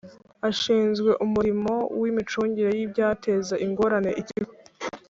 Ashinzwe umurimo w’imicungire y’ibyateza ingorane ikigo